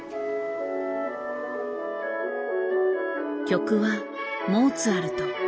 曲はモーツァルト。